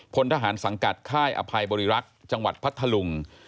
พลทหารสังกัดค่ายอภัยบริรักษ์จังหวัดพัทธลุง